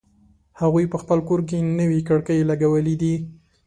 هغوی په خپل کور کی نوې کړکۍ لګولې دي